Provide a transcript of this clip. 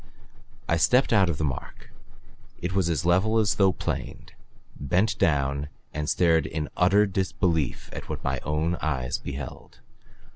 I stepped out upon the mark. It was as level as though planed; bent down and stared in utter disbelief of what my own eyes beheld.